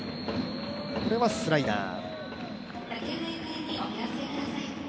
これはスライダー。